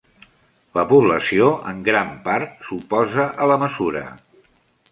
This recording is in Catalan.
La població en gran part s'oposa a la mesura.